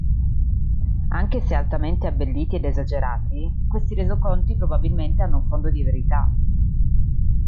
Anche se altamente abbelliti ed esagerati, questi resoconti probabilmente hanno un fondo di verità.